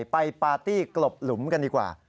ปาร์ตี้กลบหลุมกันดีกว่า